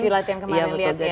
di latihan kemarin lihat ya